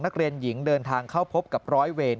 นักเรียนหญิงเดินทางเข้าพบกับร้อยเวร